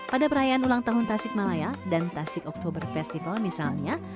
pada perayaan ulang tahun tasik malaya dan tasik oktober festival misalnya